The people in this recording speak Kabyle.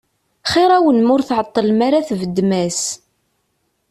Xir-awen ma ur tεeṭṭlem ara tbeddem-as.